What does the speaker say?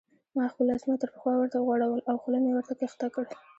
ما خپل لاسونه تر پخوا ورته وغوړول او خوله مې ورته کښته کړل.